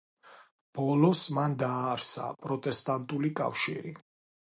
ბოლოს, მან დააარსა პროტესტანტული კავშირი.